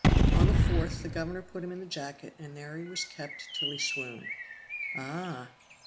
On the fourth the governor put him in the jacket, and there he was kept till he swooned." "Ah!"